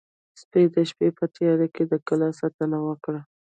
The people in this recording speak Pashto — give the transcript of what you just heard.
سپي د شپې په تیاره کې د کلا ساتنه وکړه.